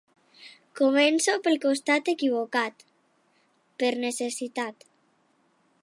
Començo pel costat equivocat, per necessitat.